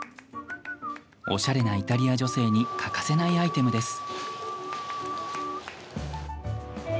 おしゃれなイタリア女性に欠かせないアイテムです。